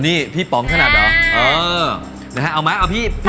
ใช่ครับผม